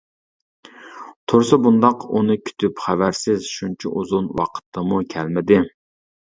تۇرسا بۇنداق ئۇنى كۈتۈپ خەۋەرسىز، شۇنچە ئۇزۇن ۋاقىتتىمۇ كەلمىدى.